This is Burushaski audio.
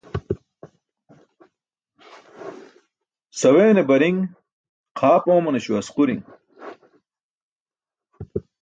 Saweene bari̇ṅ xaap oomanaśo asquri̇ṅ.